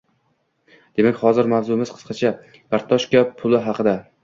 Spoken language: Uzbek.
Demak, hozir mavzuimiz qisqacha, “kartoshka puli” haqida.